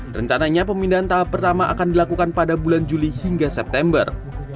rencananya pemindahan tahap pertama akan dilakukan pada bulan juli hingga september